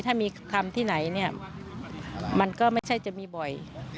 ถ้ามีคำที่ไหนเนี่ยมันก็ไม่ใช่จะมีบ่อย